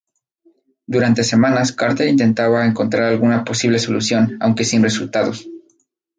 Durante semanas Carter intenta encontrar alguna posible solución, aunque sin resultados.